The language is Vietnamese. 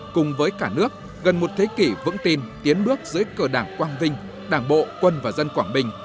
cùng với cả nước gần một thế kỷ vững tin tiến bước dưới cờ đảng quang vinh đảng bộ quân và dân quảng bình